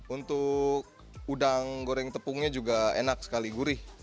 untuk udang goreng tepungnya juga enak sekali gurih